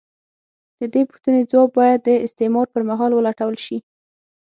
د دې پوښتنې ځواب باید د استعمار پر مهال ولټول شي.